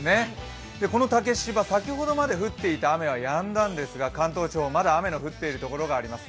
この竹芝、先ほどまで降っていた雨はやんだんですが関東地方まだ雨の降っている所があります。